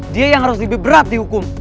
dia yang harus lebih berat dihukum